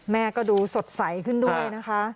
แม่ก็ดูสดใสขึ้นด้วยนะคะ